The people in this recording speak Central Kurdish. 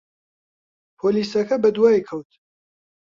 پۆلیسەکە بەدوای کەوت.